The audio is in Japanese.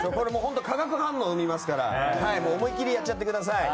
化学反応を生みますから思い切りやっちゃってください。